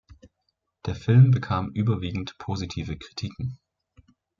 Der Film bekam überwiegend positive Kritiken.